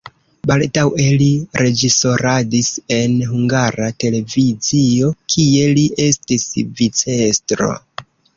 Baldaŭe li reĝisoradis en Hungara Televizio, kie li estis vicestro.